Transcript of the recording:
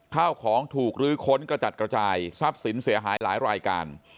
ข้าวของถูกลื้อค้นกระจัดกระจายทรัพย์สินเสียหายหลายรายการ